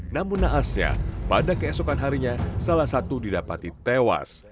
namun naasnya pada keesokan harinya salah satu didapati tewas